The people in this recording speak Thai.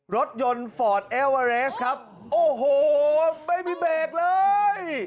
รถยนต์ฟอร์ดเอลเวอเรสครับโอ้โหไม่มีเบรกเลย